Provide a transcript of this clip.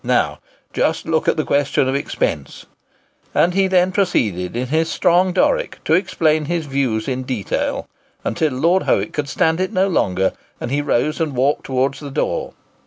Now, just look at the question of expense,"—and then he proceeded in his strong Doric to explain his views in detail, until Lord Howick could stand it no longer, and he rose and walked towards the door.